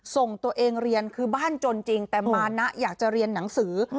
ส่งตัวเองเรียนคือบ้านจนจริงแต่มานะอยากจะเรียนหนังสือ